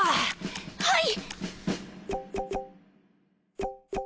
はい！